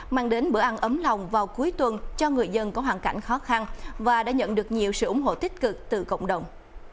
mang đến bữa ăn ấm lòng vào cuối tuần cho người dân có hoàn cảnh khó khăn và đã nhận được nhiều sự ủng hộ tích cực từ cộng đồng